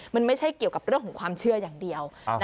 มันไม่ใช่เกี่ยวกับเรื่องของความเชื่ออย่างเดียว